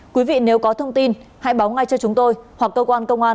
quý vị nếu có thông tin hãy báo ngay cho chúng tôi hoặc cơ quan công an